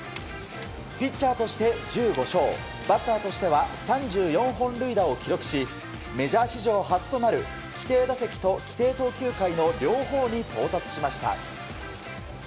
ピッチャーとして１５勝バッターとしては３４本塁打を記録しメジャー史上初となる規定打席と規定投球回の両方に到達しました。